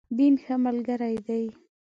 دین، ښه ملګری دی.